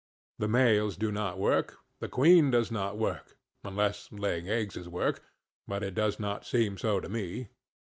The males do not work, the queen does no work, unless laying eggs is work, but it does not seem so to me.